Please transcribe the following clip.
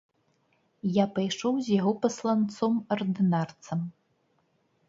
Я пайшоў з яго пасланцом ардынарцам.